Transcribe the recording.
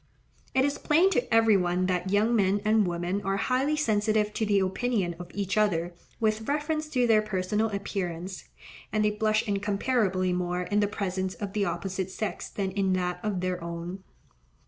It is plain to every one that young men and women are highly sensitive to the opinion of each other with reference to their personal appearance; and they blush incomparably more in the presence of the opposite sex than in that of their own.